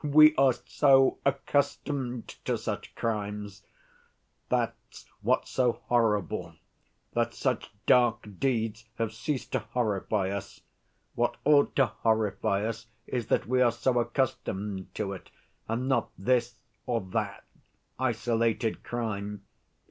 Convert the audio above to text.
We are so accustomed to such crimes! That's what's so horrible, that such dark deeds have ceased to horrify us. What ought to horrify us is that we are so accustomed to it, and not this or that isolated crime.